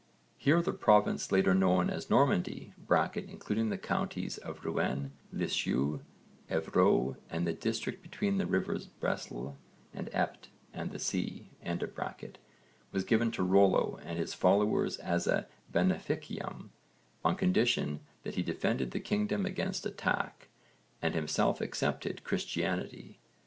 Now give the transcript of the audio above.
Here the province later known as Normandy (including the counties of Rouen, Lisieux, Evreux and the district between the rivers Bresle and Epte and the sea) was given to Rollo and his followers as a beneficium, on condition that he defended the kingdom against attack, and himself accepted Christianity.